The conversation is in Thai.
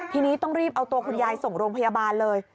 ทีนี้ต้องรีบเอาตัวคุณยายส่งโรงพยาบาลเลย